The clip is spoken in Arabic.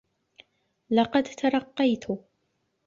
لقد ترقيت